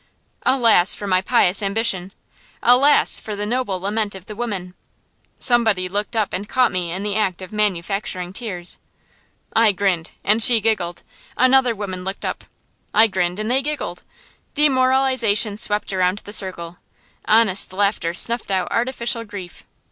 Alas for my pious ambition! alas for the noble lament of the women! Somebody looked up and caught me in the act of manufacturing tears. I grinned, and she giggled. Another woman looked up. I grinned, and they giggled. Demoralization swept around the circle. Honest laughter snuffed out artificial grief.